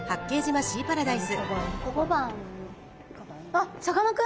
あさかなクン。